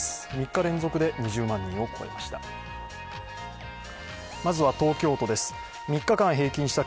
３日連続で２０万人を超えました。